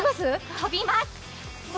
飛びます！